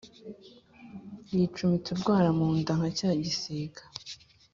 yicumita urwara mu nda nka cya gisiga.